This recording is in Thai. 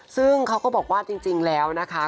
ซึ่งเขาก็บอกว่าจริงแล้วนะคะ